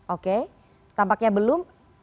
oke tampaknya belum